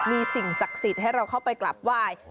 มีสิ่งศักดิ์สิทธิ์ให้เราเข้าไปกลับไหว้